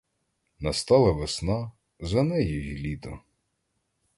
Настала весна, за нею й літо.